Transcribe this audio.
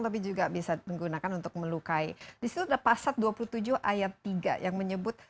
tapi juga bisa menggunakan untuk melukai disitu ada pasal dua puluh tujuh ayat tiga yang menyebut